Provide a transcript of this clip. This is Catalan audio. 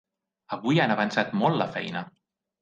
Avui han avançat molt la feina.